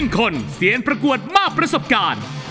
คนเซียนประกวดมากประสบการณ์